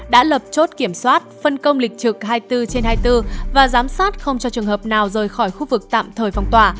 đã lập chốt kiểm soát phân công lịch trực hai mươi bốn trên hai mươi bốn và giám sát không cho trường hợp nào rời khỏi khu vực tạm thời phong tỏa